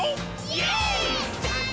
イエーイ！！